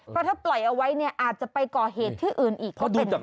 เพราะถ้าปล่อยเอาไว้เนี่ยอาจจะไปก่อเหตุที่อื่นอีกก็เป็นได้